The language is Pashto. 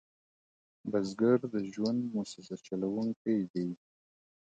بزګر د ژوند موسسه چلوونکی دی